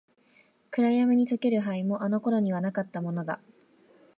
暗闇に溶ける灰も、あの頃にはなかったものだ。